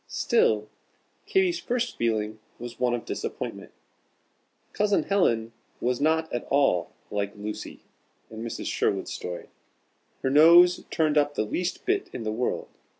Still, Katy's first feeling was one of disappointment. Cousin Helen was not at all like "Lucy," in Mrs. Sherwood's story. Her nose turned up the least bit in the world.